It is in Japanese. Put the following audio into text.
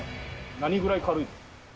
何ぐらい軽い？